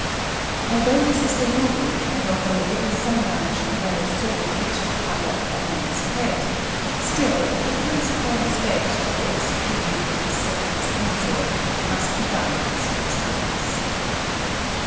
Although this is the rule, and although every Samurai should wear a sword fit to cut off a man's head, still if the principal has begged to be executed with the second's own sword, it must be done as he desires.